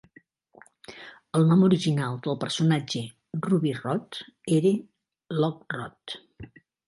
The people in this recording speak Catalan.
El nom original del personatge Ruby Rhod era Loc Rhod.